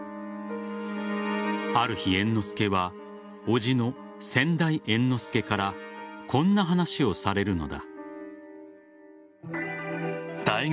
ある日、猿之助は伯父の先代猿之助からこんな話をされるのだ。